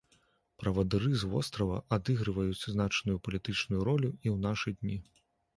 Правадыры з вострава адыгрываюць значную палітычную ролю і ў нашы дні.